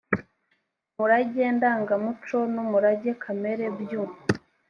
umurage ndangamuco n umurage kamere by u